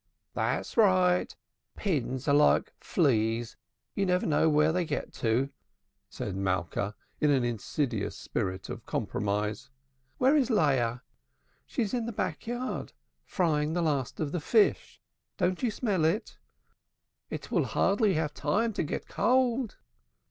"That is right! Pins are like fleas you never know where they get to," said Malka in an insidious spirit of compromise. "Where is Leah?" "She is in the back yard frying the last of the fish. Don't you smell it?" "It will hardly have time to get cold."